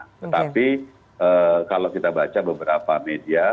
tetapi kalau kita baca beberapa media